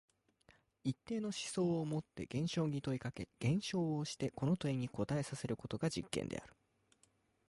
一定の思想をもって現象に問いかけ、現象をしてこの問いに答えさせることが実験である。